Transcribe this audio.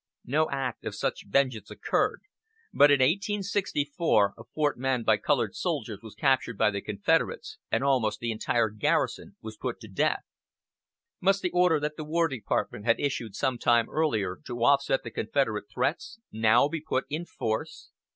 No act of such vengeance occurred, but in 1864 a fort manned by colored soldiers was captured by the Confederates, and almost the entire garrison was put to death. Must the order that the War Department had issued some time earlier, to offset the Confederate threats, now be put in force?